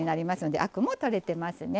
アクも取れていますね。